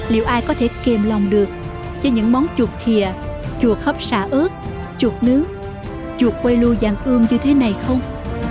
liệu ai có thể kềm lòng được với những món chuột khìa chuột hấp xả ớt chuột nướng chuột quay lưu vàng ươm như thế này không